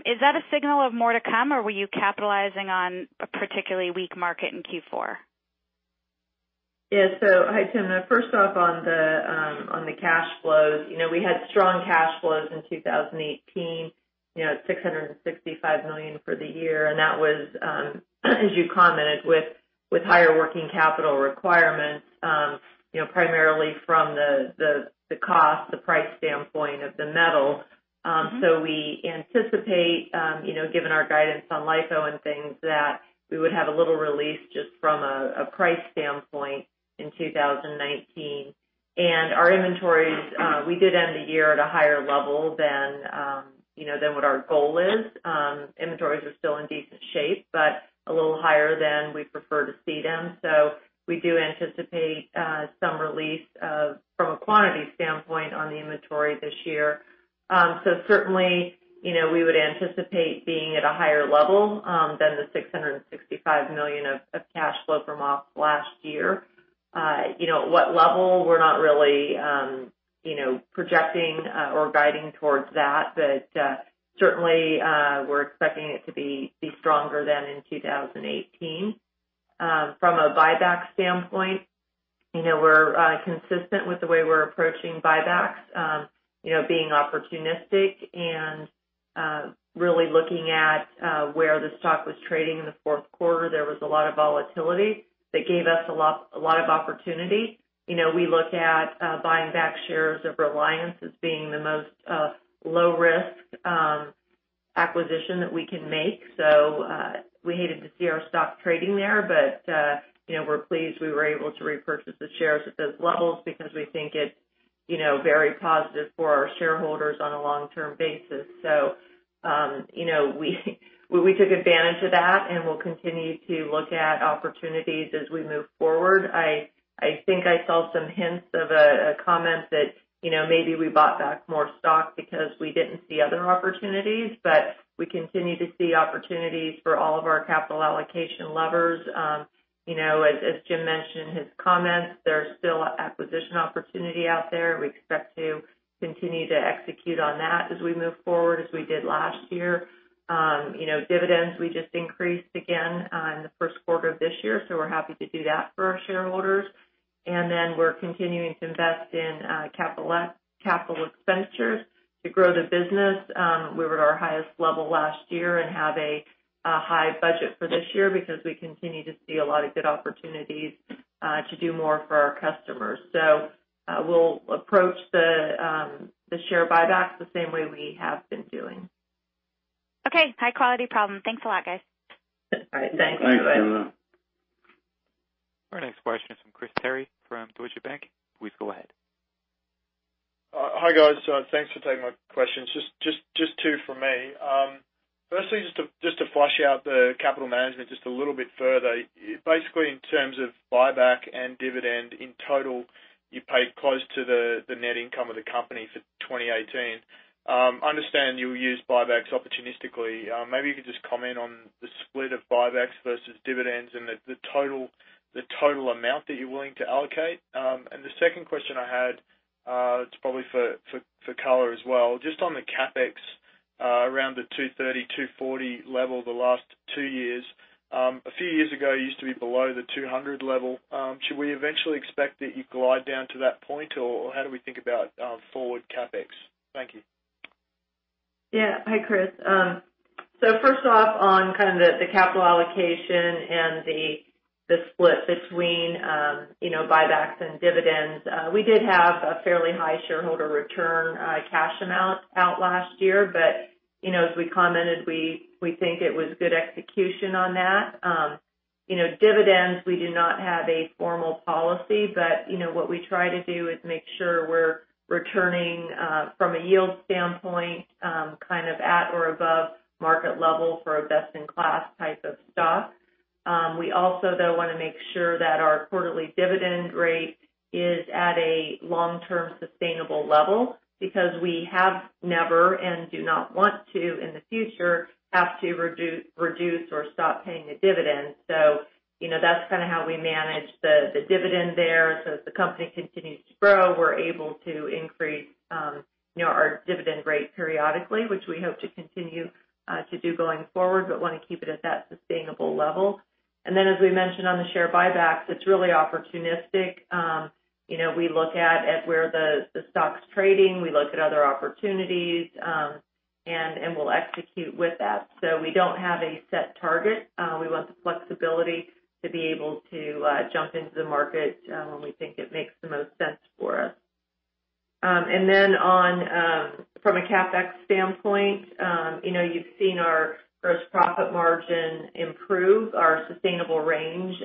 is that a signal of more to come, or were you capitalizing on a particularly weak market in Q4? Yeah. Hi, Timna. First off, on the cash flows, we had strong cash flows in 2018, at $665 million for the year, and that was, as you commented, with higher working capital requirements, primarily from the cost, the price standpoint of the metal. We anticipate, given our guidance on LIFO and things, that we would have a little release just from a price standpoint in 2019. Our inventories, we did end the year at a higher level than what our goal is. Inventories are still in decent shape, but a little higher than we prefer to see them. We do anticipate some release from a quantity standpoint on the inventory this year. Certainly, we would anticipate being at a higher level than the $665 million of cash flow from ops last year. What level, we're not really projecting or guiding towards that, certainly, we're expecting it to be stronger than in 2018. From a buyback standpoint, we're consistent with the way we're approaching buybacks, being opportunistic and really looking at where the stock was trading in the fourth quarter. There was a lot of volatility that gave us a lot of opportunity. We look at buying back shares of Reliance as being the most low-risk acquisition that we can make. We hated to see our stock trading there, but we're pleased we were able to repurchase the shares at those levels because we think it's very positive for our shareholders on a long-term basis. We took advantage of that, and we'll continue to look at opportunities as we move forward. I think I saw some hints of a comment that maybe we bought back more stock because we didn't see other opportunities, we continue to see opportunities for all of our capital allocation levers. As Jim mentioned in his comments, there's still acquisition opportunity out there. We expect to continue to execute on that as we move forward as we did last year. Dividends, we just increased again in the first quarter of this year, we're happy to do that for our shareholders. Then we're continuing to invest in capital expenditures to grow the business. We were at our highest level last year and have a high budget for this year because we continue to see a lot of good opportunities to do more for our customers. We'll approach the share buybacks the same way we have been doing. Okay. High-quality problem. Thanks a lot, guys. All right. Thanks. Thanks, Timna. Our next question is from Chris Terry from Deutsche Bank. Please go ahead. Hi, guys. Thanks for taking my questions. Just two from me. Firstly, just to flush out the capital management just a little bit further. Basically, in terms of buyback and dividend, in total, you paid close to the net income of the company for 2018. Understand you'll use buybacks opportunistically. Maybe you could just comment on the split of buybacks versus dividends and the total amount that you're willing to allocate. The second question I had, it's probably for Karla as well. Just on the CapEx around the $230-$240 level the last two years. A few years ago, it used to be below the $200 level. Should we eventually expect that you glide down to that point, or how do we think about forward CapEx? Thank you. Yeah. Hi, Chris. First off, on kind of the capital allocation and the split between buybacks and dividends. We did have a fairly high shareholder return cash amount out last year, but as we commented, we think it was good execution on that. Dividends, we do not have a formal policy, but what we try to do is make sure we're returning, from a yield standpoint, kind of at or above market level for a best-in-class type of stock. We also, though, want to make sure that our quarterly dividend rate is at a long-term sustainable level because we have never and do not want to in the future have to reduce or stop paying a dividend. That's kind of how we manage the dividend there. As the company continues to grow, we're able to increase our dividend rate periodically, which we hope to continue to do going forward, but want to keep it at that sustainable level. As we mentioned on the share buybacks, it's really opportunistic. We look at where the stock's trading, we look at other opportunities, and we'll execute with that. We don't have a set target. We want the flexibility to be able to jump into the market when we think it makes the most sense for us. From a CapEx standpoint, you've seen our gross profit margin improve our sustainable range,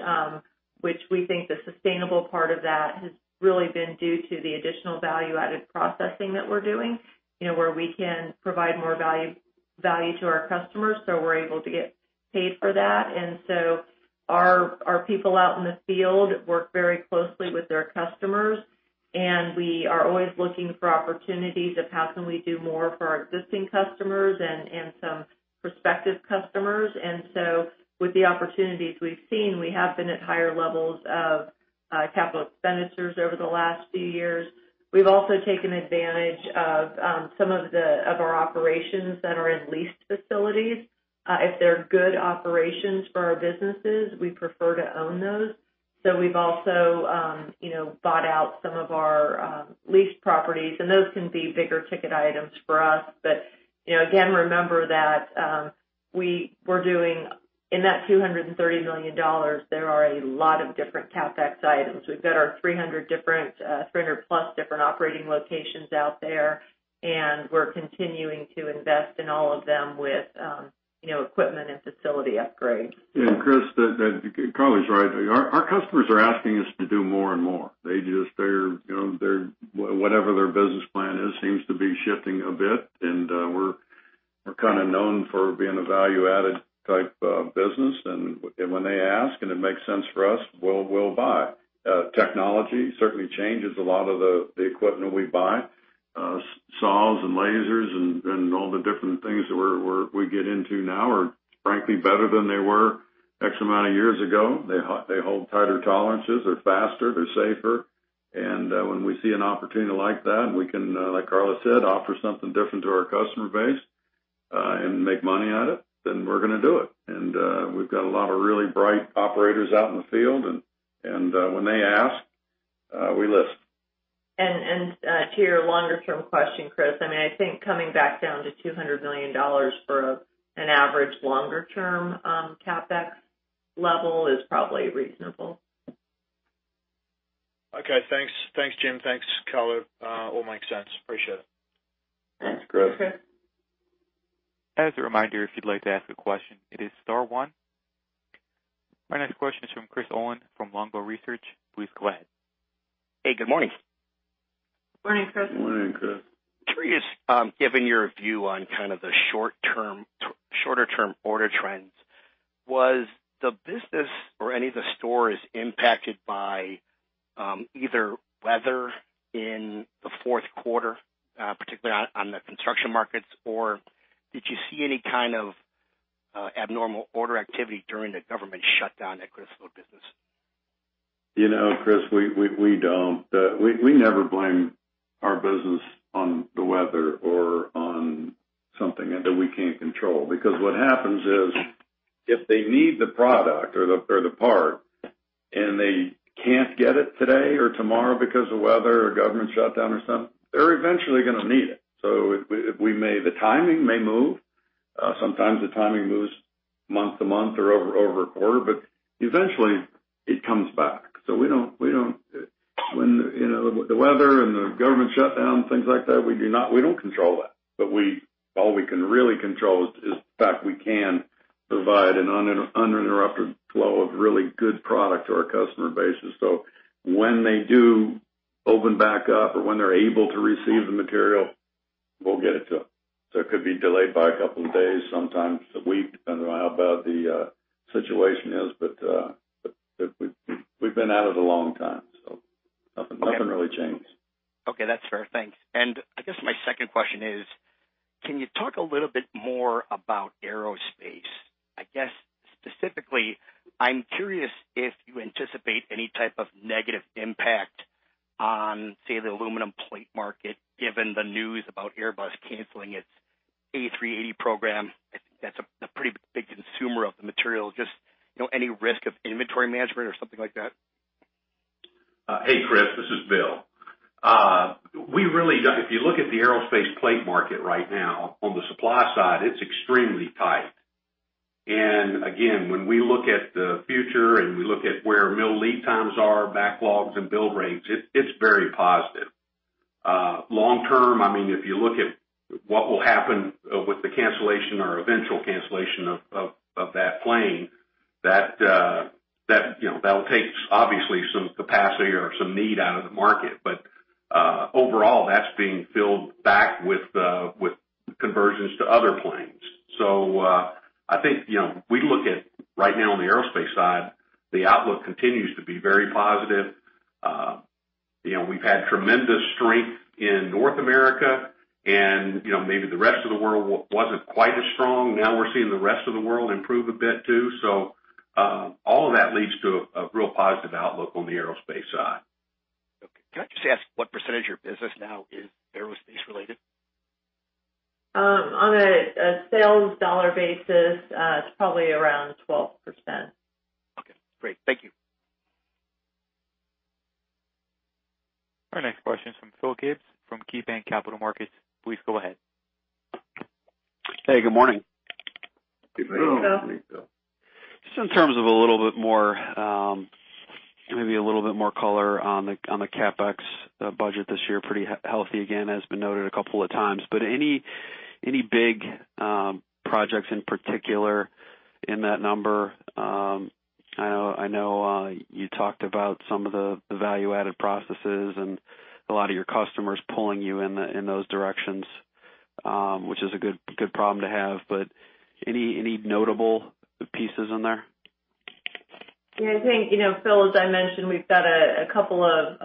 which we think the sustainable part of that has really been due to the additional value-added processing that we're doing, where we can provide more value to our customers, so we're able to get paid for that. Our people out in the field work very closely with their customers, and we are always looking for opportunities of how can we do more for our existing customers and some prospective customers. With the opportunities we've seen, we have been at higher levels of capital expenditures over the last few years. We've also taken advantage of some of our operations that are in leased facilities. If they're good operations for our businesses, we prefer to own those. We've also bought out some of our leased properties, and those can be bigger ticket items for us. Again, remember that in that $230 million, there are a lot of different CapEx items. We've got our 300-plus different operating locations out there, and we're continuing to invest in all of them with equipment and facility upgrades. Chris, Karla's right. Our customers are asking us to do more and more. Whatever their business plan is seems to be shifting a bit, and we're kind of known for being a value-added type of business, and when they ask and it makes sense for us, we'll buy. Technology certainly changes a lot of the equipment we buy. Saws and lasers and all the different things that we get into now are, frankly, better than they were X amount of years ago. They hold tighter tolerances. They're faster, they're safer. When we see an opportunity like that, and we can, like Karla said, offer something different to our customer base, and make money at it, then we're going to do it. We've got a lot of really bright operators out in the field, and when they ask, we listen. To your longer-term question, Chris, I think coming back down to $200 million for an average longer-term CapEx level is probably reasonable. Okay, thanks. Thanks, Jim. Thanks, Karla. All makes sense. Appreciate it. Thanks, Chris. Okay. As a reminder, if you'd like to ask a question, it is star one. Our next question is from Chris Olin from Longbow Research. Please go ahead. Hey, good morning. Morning, Chris. Morning, Chris. Curious, given your view on kind of the shorter-term order trends, was the business or any of the stores impacted by either weather in the fourth quarter, particularly on the construction markets, or did you see any kind of abnormal order activity during the government shutdown that could have slowed business? Chris, we don't. We never blame our business on the weather or on something that we can't control because what happens is, if they need the product or the part and they can't get it today or tomorrow because of weather or government shutdown or something, they're eventually going to need it. The timing may move. Sometimes the timing moves month to month or over a quarter, but eventually it comes back. The weather and the government shutdown, things like that, we don't control that. All we can really control is the fact we can provide an uninterrupted flow of really good product to our customer base, so when they do open back up or when they're able to receive the material, we'll get it to them. It could be delayed by a couple of days, sometimes a week, depending on how bad the situation is. We've been at it a long time, nothing really changed. Okay, that's fair. Thanks. I guess my second question is: can you talk a little bit more about aerospace? I guess specifically, I'm curious if you anticipate any type of negative impact on, say, the aluminum plate market, given the news about Airbus canceling its A380 program. I think that's a pretty big consumer of the material. Just any risk of inventory management or something like that? Hey, Chris, this is Bill. If you look at the aerospace plate market right now, on the supply side, it's extremely tight. When we look at the future and we look at where mill lead times are, backlogs, and build rates, it's very positive. Long-term, if you look at what will happen with the cancellation or eventual cancellation of that plane, that'll take obviously some capacity or some need out of the market. Overall, that's being filled back with conversions to other planes. I think if we look at right now on the aerospace side, the outlook continues to be very positive. We've had tremendous strength in North America, and maybe the rest of the world wasn't quite as strong. Now we're seeing the rest of the world improve a bit too. All of that leads to a real positive outlook on the aerospace side. Okay. Can I just ask what percentage of your business now is aerospace-related? On a sales dollar basis, it's probably around 12%. Okay, great. Thank you. Our next question is from Phil Gibbs from KeyBank Capital Markets. Please go ahead. Hey, good morning. Good morning, Phil. Good morning, Phil. Just in terms of maybe a little bit more color on the CapEx budget this year. Pretty healthy again, as been noted a couple of times. Any big projects in particular in that number? I know you talked about some of the value-added processes and a lot of your customers pulling you in those directions, which is a good problem to have, but any notable pieces in there? I think, Phil, as I mentioned, we've got a couple of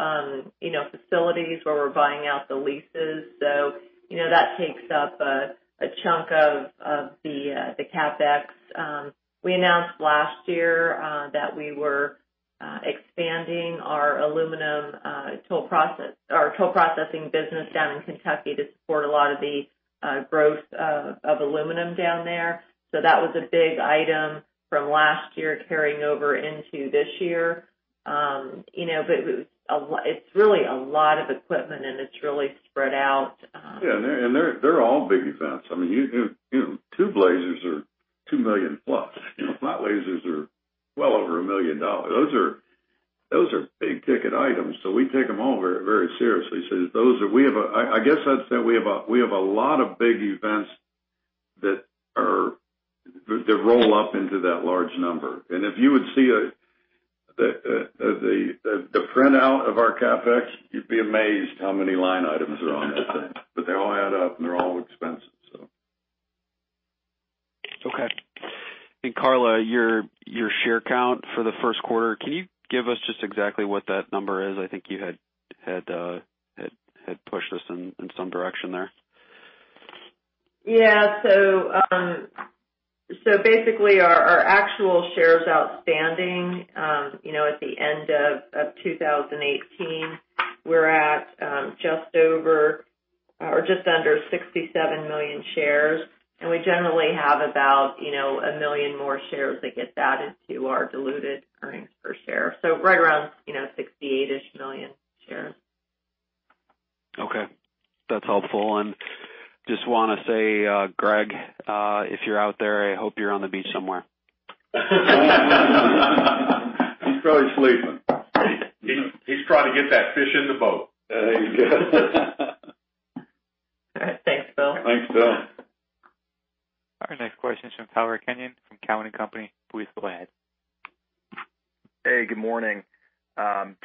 facilities where we're buying out the leases. That takes up a chunk of the CapEx. We announced last year that we were expanding our aluminum toll processing business down in Kentucky to support a lot of the growth of aluminum down there. That was a big item from last year carrying over into this year. It's really a lot of equipment and it's really spread out. They're all big events. Two blazers are $2 million plus. Slot lasers are well over $1 million. Those are big-ticket items, we take them all very seriously. I guess I'd say we have a lot of big events that roll up into that large number. If you would see the printout of our CapEx, you'd be amazed how many line items are on that thing. They all add up, and they're all expenses. Karla, your share count for the first quarter, can you give us just exactly what that number is? I think you had pushed us in some direction there. Yeah. Basically, our actual shares outstanding at the end of 2018, we're at just under 67 million shares, we generally have about 1 million more shares that get added to our diluted earnings per share. Right around 68-ish million shares. Okay. That's helpful. Just want to say, Gregg, if you're out there, I hope you're on the beach somewhere. He's probably sleeping. He's trying to get that fish in the boat. All right. Thanks, Phil. Thanks, Phil. Our next question is from Tyler Kenyon from Cowen and Company. Please go ahead. Hey, good morning. Good morning.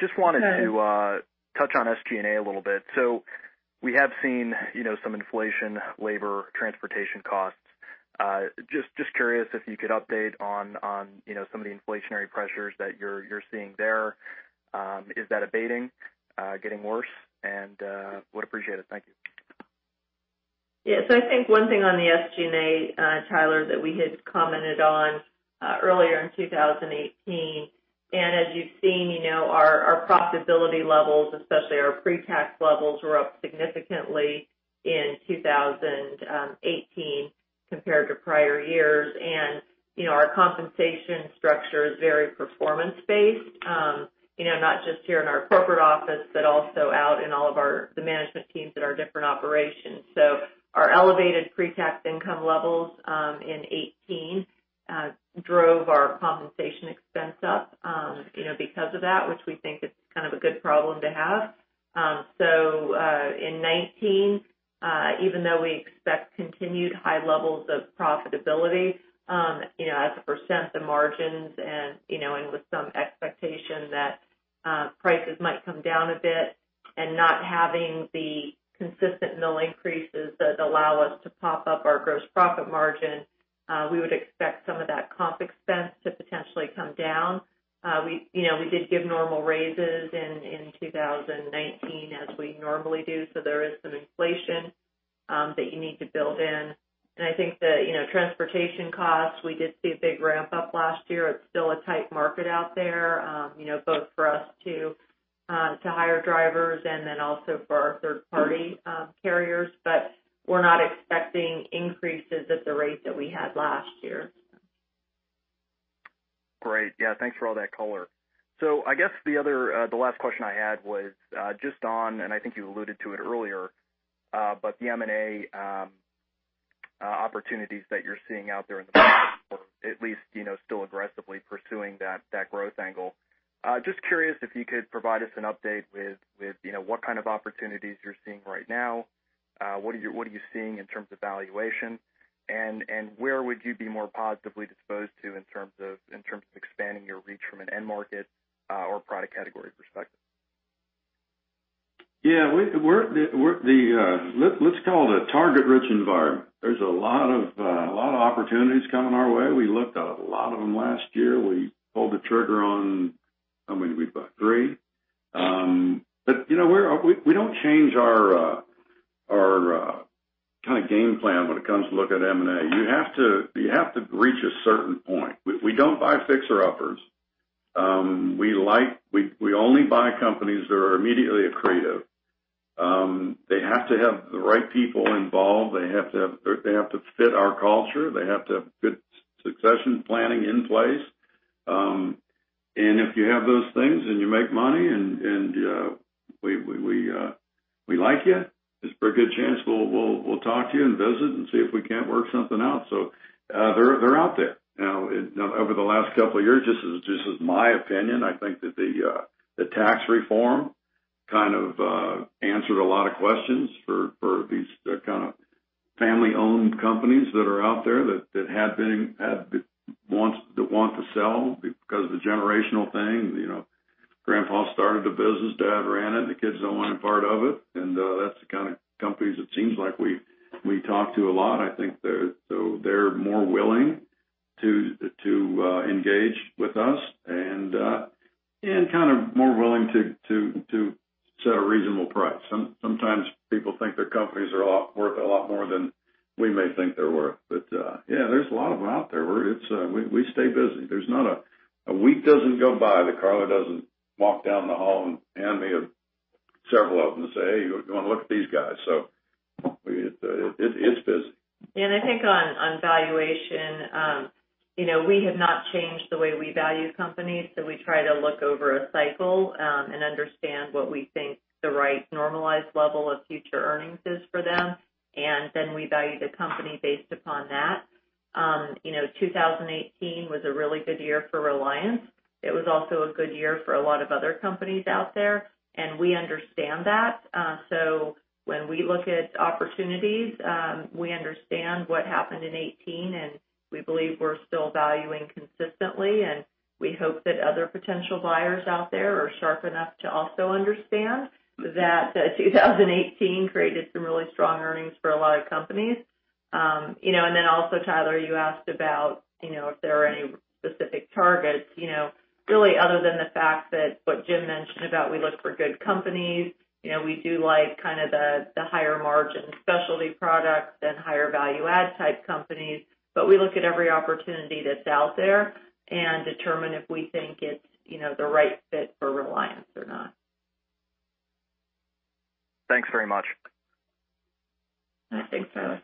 Just wanted to touch on SG&A a little bit. We have seen some inflation, labor, transportation costs. Just curious if you could update on some of the inflationary pressures that you're seeing there. Is that abating? Getting worse? Would appreciate it. Thank you. Yeah. I think one thing on the SG&A, Tyler, that we had commented on earlier in 2018, as you've seen, our profitability levels, especially our pre-tax levels, were up significantly in 2018 compared to prior years. Our compensation structure is very performance-based. Not just here in our corporate office, but also out in all of the management teams at our different operations. Our elevated pre-tax income levels in 2018 drove our compensation expense up because of that, which we think is kind of a good problem to have. In 2019, even though we expect continued high levels of profitability as a percent of margins and with some expectation that prices might come down a bit and not having the consistent mill increases that allow us to pop up our gross profit margin, we would expect some of that comp expense to potentially come down. We did give normal raises in 2019, as we normally do, there is some inflation that you need to build in. I think the transportation costs, we did see a big ramp up last year. It's still a tight market out there both for us to hire drivers and also for our third-party carriers. We're not expecting increases at the rate that we had last year. Great. Yeah, thanks for all that color. I guess the last question I had was just on, I think you alluded to it earlier, the M&A opportunities that you're seeing out there in the market or at least still aggressively pursuing that growth angle. Just curious if you could provide us an update with what kind of opportunities you're seeing right now, what are you seeing in terms of valuation, and where would you be more positively disposed to in terms of expanding your reach from an end market or product category perspective? Yeah. Let's call it a target-rich environment. There's a lot of opportunities coming our way. We looked at a lot of them last year. We pulled the trigger on, how many did we buy? Three? We don't change our kind of game plan when it comes to looking at M&A. You have to reach a certain point. We don't buy fixer-uppers. We only buy companies that are immediately accretive. They have to have the right people involved. They have to fit our culture. They have to have good succession planning in place. If you have those things and you make money, and we like you, there's a pretty good chance we'll talk to you and visit and see if we can't work something out. They're out there. Over the last couple of years, just as my opinion, I think that the tax reform kind of answered a lot of questions for these kind of family-owned companies that are out there that want to sell because of the generational thing. Grandpa started a business, dad ran it, the kids don't want a part of it. That's the kind of companies it seems like we talk to a lot. I think they're more willing to engage with us and kind of more willing to set a reasonable price. Sometimes people think their companies are worth a lot more than we may think they're worth. Yeah, there's a lot of them out there. We stay busy. A week doesn't go by that Karla doesn't walk down the hall, hand me several of them, and say, "Hey, you want to look at these guys?" It's busy. I think on valuation, we have not changed the way we value companies. We try to look over a cycle and understand what we think the right normalized level of future earnings is for them, and then we value the company based upon that. 2018 was a really good year for Reliance. It was also a good year for a lot of other companies out there, and we understand that. When we look at opportunities, we understand what happened in 2018, and we believe we're still valuing consistently, and we hope that other potential buyers out there are sharp enough to also understand that 2018 created some really strong earnings for a lot of companies. Tyler, you asked about if there are any specific targets. Really, other than the fact that what Jim mentioned about we look for good companies, we do like kind of the higher-margin specialty products and higher value add type companies. We look at every opportunity that's out there and determine if we think it's the right fit for Reliance or not. Thanks very much. Thanks, Tyler.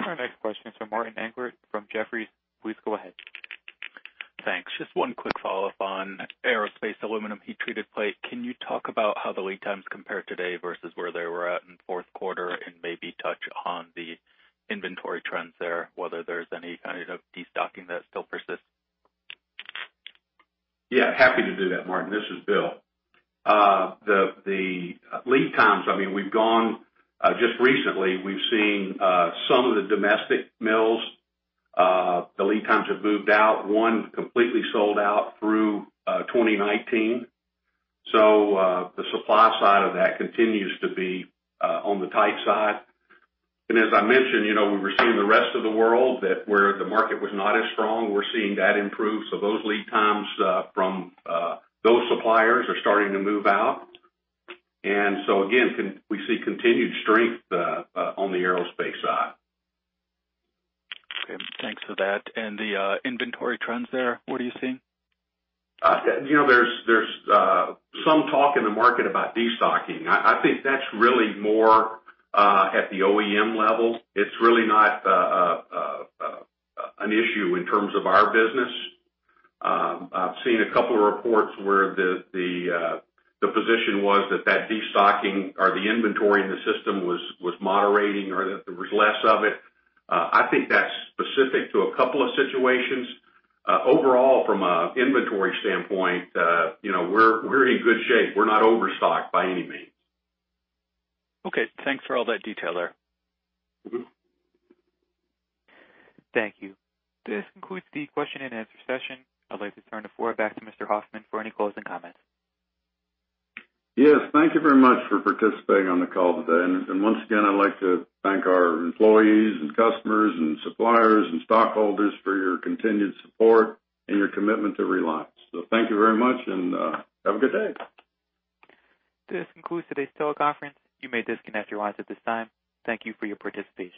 Our next question is from Martin Englert from Jefferies. Please go ahead. Thanks. Just one quick follow-up on aerospace aluminum heat treated plate. Can you talk about how the lead times compare today versus where they were at in the fourth quarter and maybe touch on the inventory trends there, whether there's any kind of destocking that still persists? Yeah, happy to do that, Martin. This is Bill. The lead times, just recently, we've seen some of the domestic mills, the lead times have moved out. One completely sold out through 2019. The supply side of that continues to be on the tight side. As I mentioned, we were seeing the rest of the world that where the market was not as strong, we're seeing that improve. Those lead times from those suppliers are starting to move out. Again, we see continued strength on the aerospace side. Okay. Thanks for that. The inventory trends there, what are you seeing? There's some talk in the market about destocking. I think that's really more at the OEM level. It's really not an issue in terms of our business. I've seen a couple of reports where the position was that destocking or the inventory in the system was moderating or that there was less of it. I think that's specific to a couple of situations. Overall, from an inventory standpoint, we're in good shape. We're not overstocked by any means. Okay. Thanks for all that detail there. Thank you. This concludes the question-and-answer session. I'd like to turn the floor back to Mr. Hoffman for any closing comments. Yes. Thank you very much for participating on the call today. Once again, I'd like to thank our employees and customers and suppliers and stockholders for your continued support and your commitment to Reliance. Thank you very much, and have a good day. This concludes today's teleconference. You may disconnect your lines at this time. Thank you for your participation.